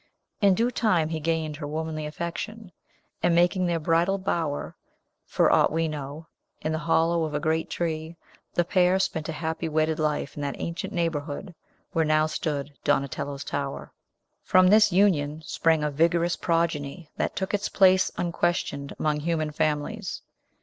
In due time he gained her womanly affection; and, making their bridal bower, for aught we know, in the hollow of a great tree, the pair spent a happy wedded life in that ancient neighborhood where now stood Donatello's tower. From this union sprang a vigorous progeny that took its place unquestioned among human families.